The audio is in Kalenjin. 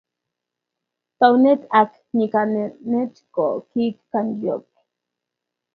taunet ak nyikanatet ko kii kandoik